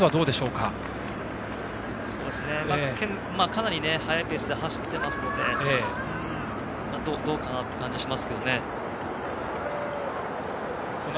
かなり速いペースで走っていますのでどうかなという感じはしますけどね。